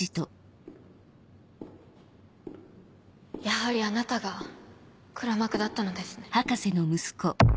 やはりあなたが黒幕だったのですね。